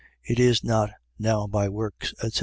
It is not now by works, etc.